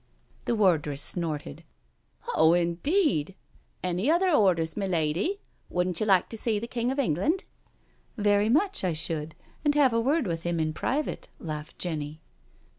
'* The wardress snorted. "Ho, indeed I Any. othec orders, me lady? Wouldn't you like to see the King of England?" " Very much, I should, and have a word with him in private," laughed Jenny.